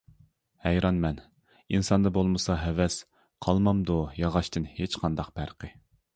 ھەيرانمەن ئىنساندا بولمىسا ھەۋەس، قالمامدۇ ياغاچتىن ھېچقانداق پەرقى.